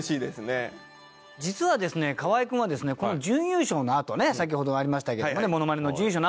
実はですね河合君はですねこの準優勝のあとね先ほどありましたけどねモノマネの準優勝のあと。